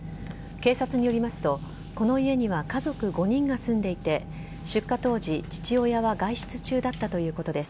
警察によりますと、この家には家族５人が住んでいて、出火当時、父親は外出中だったということです。